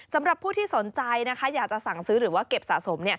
สำหรับผู้ที่สนใจอยากจะสั่งซื้อหรือว่าเก็บสะสม